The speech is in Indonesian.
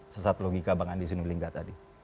sesat logika bang andi sinulingga tadi